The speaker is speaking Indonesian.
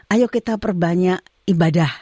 ayo kita perbanyak ibadah